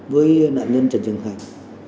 với nạn nhân trần trần thành